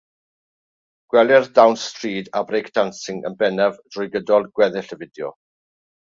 Gwelir dawns stryd a breakdancing yn bennaf drwy gydol gweddill y fideo.